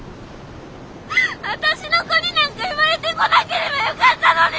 私の子になんか生まれてこなければよかったのに！